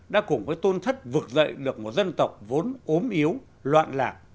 đã cùng với tôn thất vực dậy được một dân tộc vốn ốm yếu loạn lạc